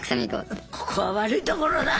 ここは悪いところだ！